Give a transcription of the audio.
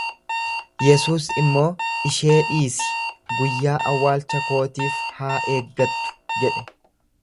Yesuus immoo, Ishee dhiisi, guyyaa awwaalcha kootiif haa eeggattu jedhe.